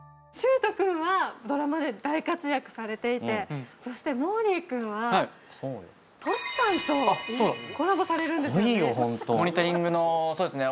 愁斗君はドラマで大活躍されていてそしてもーりー君ははいＴｏｓｈｌさんとコラボされるんですよね